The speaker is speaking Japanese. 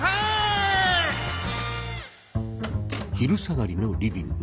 昼下がりのリビング。